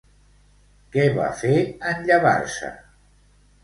Què va fer, en llevar-se?